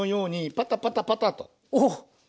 パタパタパタ。